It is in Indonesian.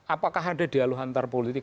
apakah ada dialuhan antarpolitik